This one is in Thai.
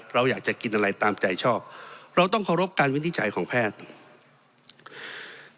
เราอยากจะกินอะไรตามใจชอบเราต้องเคารพการวินิจฉัยของแพทย์